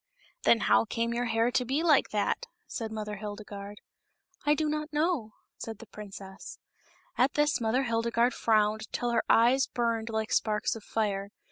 Then how came your hair to be like that?" said Mother Hildegarde. I do not know," said the princess. At this Mother Hildegarde frowned till her eyes burned like sparks of fire.